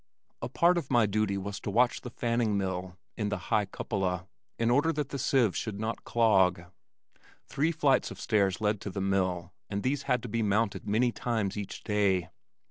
A part of my duty was to watch the fanning mill (in the high cupola) in order that the sieves should not clog. Three flights of stairs led to the mill and these had to be mounted many times each day.